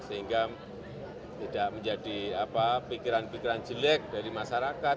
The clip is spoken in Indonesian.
sehingga tidak menjadi pikiran pikiran jelek dari masyarakat